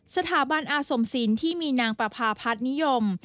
สถาบันอสมสินที่มีนางปราภาพัฒนิยม